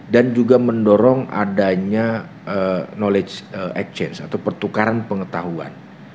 dan juga mendorong adanya knowledge exchange atau pertukaran pengetahuan